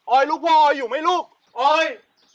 ออกไปเลย